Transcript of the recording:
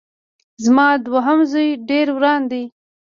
زما دوهم زوی ډېر وران دی